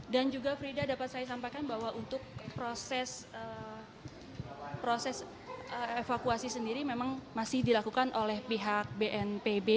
dan juga frida dapat saya sampaikan bahwa untuk proses evakuasi sendiri memang masih dilakukan oleh pihak bnpb